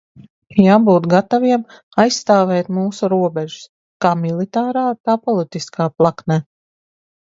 Jābūt gataviem aizstāvēt mūsu robežas, kā militārā tā politiskā plaknē.